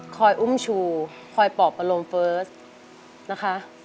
อุ้มชูคอยปอบอารมณ์เฟิร์สนะคะ